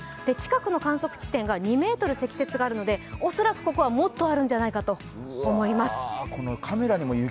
近くの観測地点が２ｍ積雪があるので恐らくここはもっとあるんじゃないかと思います。